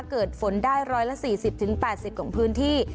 เกิดฝนได้๑๔๐๘๐ของพื้นที่